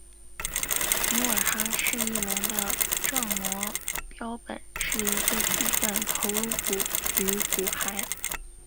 努尔哈赤翼龙的正模标本是一个部份头颅骨与骨骸。